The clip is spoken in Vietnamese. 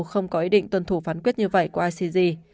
không có ý định tuân thủ phán quyết như vậy của icg